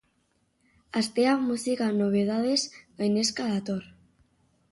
Astea musika nobedadez gainezka dator.